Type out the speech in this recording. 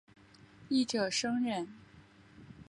一者生忍。